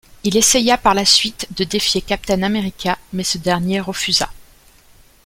Il essaya par la suite de défier Captain America, mais ce dernier refusa.